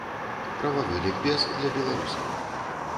Прававы лікбез для беларусаў.